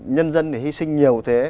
nhân dân thì hi sinh nhiều thế